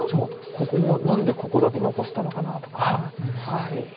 ここも何でここだけ残したのかなとか。